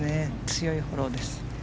強いフォローです。